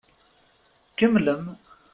Kemmlem.